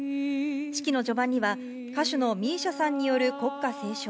式の序盤には、歌手のＭＩＳＩＡさんによる国歌斉唱。